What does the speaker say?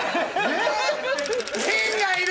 え！